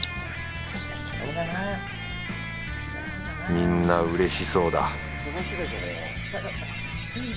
みんなうれしそうだ